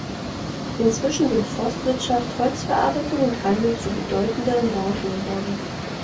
Inzwischen sind Forstwirtschaft, Holzverarbeitung und Handel zu bedeutenderen Branchen geworden.